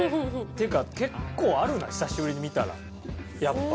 っていうか結構あるな久しぶりに見たらやっぱ。